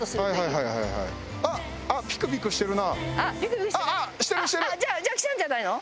あっピクピクしてる？